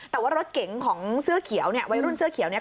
แต่ว่ารถเก๋งของเสื้อเขียวเนี่ยวัยรุ่นเสื้อเขียวเนี่ย